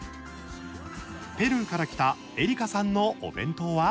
ペルーから来たエリカさんのお弁当は？